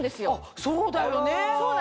そうだよね。